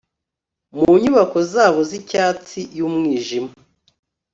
Mu nyubako zabo zicyatsi yumwijima